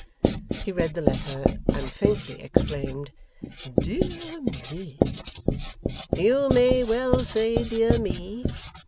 He read the letter, and faintly exclaimed 'Dear me!' 'You may well say Dear me!